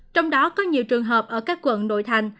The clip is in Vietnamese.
trong đó có nhiều trường hợp ở các quận nội thành